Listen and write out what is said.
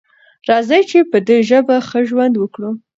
راځئ چې په دې ژبه ښه ژوند وکړو.